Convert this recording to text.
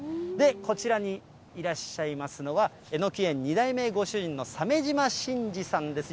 こちらにいらっしゃいますのは、えのき園２代目ご主人の鮫島慎治さんです。